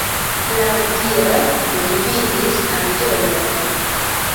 Laŭdire li vidis anĝelon.